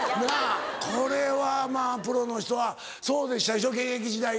これはまぁプロの人はそうでしたでしょ現役時代は。